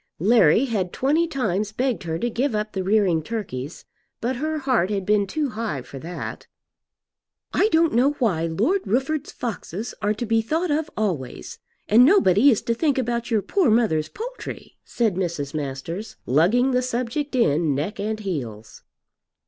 Larry had twenty times begged her to give up the rearing turkeys, but her heart had been too high for that. "I don't know why Lord Rufford's foxes are to be thought of always, and nobody is to think about your poor mother's poultry," said Mrs. Masters, lugging the subject in neck and heels.